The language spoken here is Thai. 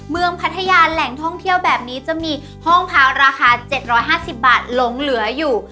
พัทยาแหล่งท่องเที่ยวแบบนี้จะมีห้องพักราคา๗๕๐บาทหลงเหลืออยู่